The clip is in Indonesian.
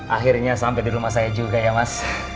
akhirnya sampai di rumah saya juga ya mas